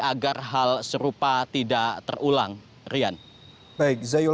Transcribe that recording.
agar hal serupa tidak terjadi